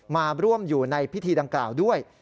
มาร่วมอยู่ในพิธีดังกล่าวด้วย